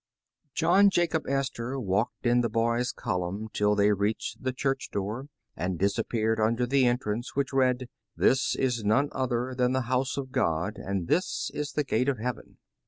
John Jacob Astor walked in the boys' column till they reached the church door, and disappeared under the entrance, which read :'' This is none other than the house of God, and this is the gate of heaven."